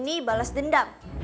ini jeannie balas dendam